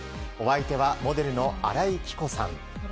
お相手はモデルの新井貴子さん。